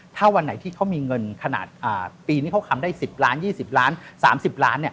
ถ้าวันไหนที่เขามีเงินขนาดปีนี้เขาทำได้๑๐ล้าน๒๐ล้าน๓๐ล้าน